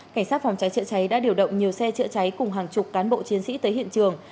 cảnh sát phòng cháy chữa cháy đã điều động nhiều xe chữa cháy cùng hàng chục cán bộ chiến sĩ tới hiện trường